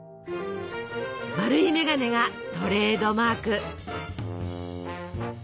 丸い眼鏡がトレードマーク。